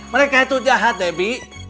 mereka itu jahat debbie